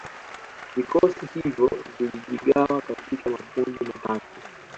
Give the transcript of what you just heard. Vikosi hivyo vilijigawa katika makundi matatu